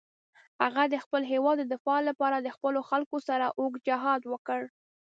هغه د خپل هېواد د دفاع لپاره د خپلو خلکو سره اوږد جهاد وکړ.